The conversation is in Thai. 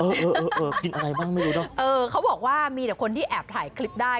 เออเออเออกินอะไรบ้างไม่รู้เนอะเออเขาบอกว่ามีแต่คนที่แอบถ่ายคลิปได้